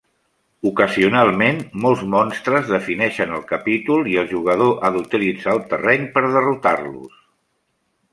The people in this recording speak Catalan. Ocasionalment, molts monstres defineixen el capítol, i el jugador ha d'utilitzar el terreny per derrotar-los.